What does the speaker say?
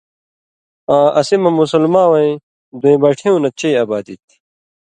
آں اسی مہ مسلماں وَیں دُوئیں بٹھیُوں نہ چئ آبادی تھی،